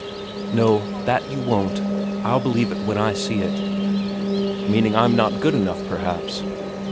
"No, that you won't. I'll believe it when I see it." "Meaning I'm not good enough, perhaps?"